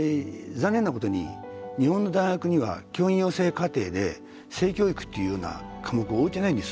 残念なことに日本の大学には教員養成課程で性教育っていうような科目を置いてないんです。